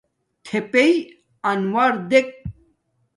تھپݵئ انݸر دݵک.